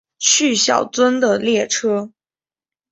去小樽的列车